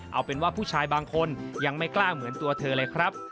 เอาเป็นว่าผู้ชายบางคนยังไม่กล้าเหมือนตัวเธอเลยครับ